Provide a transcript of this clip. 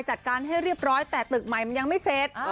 จัดการให้เรียบร้อยแต่ตึกใหม่มันยังไม่เสร็จ